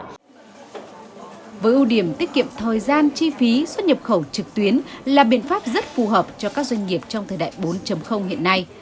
với ưu điểm tiết kiệm thời gian chi phí xuất nhập khẩu trực tuyến là biện pháp rất phù hợp cho các doanh nghiệp trong thời đại bốn hiện nay